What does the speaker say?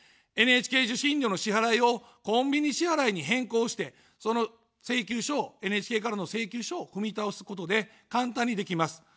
ＮＨＫ受信料の支払いをコンビニ支払いに変更して、その請求書を、ＮＨＫからの請求書を踏み倒すことで簡単にできます。